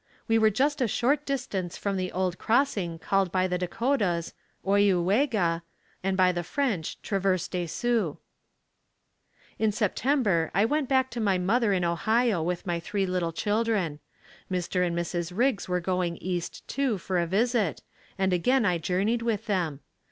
We were just a short distance from the old crossing called by the Dakotas, Oiyuwega, (O e you way ga) and by the French Traverse de Sioux. In September I went back to my mother in Ohio with my three little children. Mr. and Mrs. Riggs were going east, too, for a visit, and again I journeyed with them.